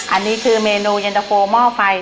อันนี้คือเมนูเย็นตะโฟหม้อไฟ